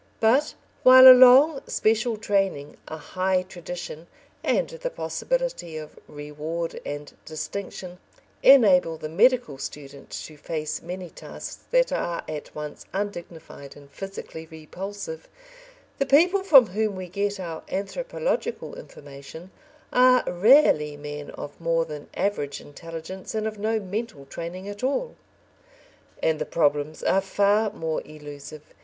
But while a long special training, a high tradition and the possibility of reward and distinction, enable the medical student to face many tasks that are at once undignified and physically repulsive, the people from whom we get our anthropological information are rarely men of more than average intelligence, and of no mental training at all. And the problems are far more elusive.